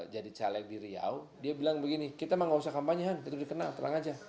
jadi caleg di riau dia bilang begini kita mah gak usah kampanyean itu dikenal terang aja